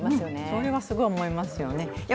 それは、すごい思いますよね。